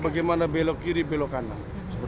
bagaimana belok kiri belok kanan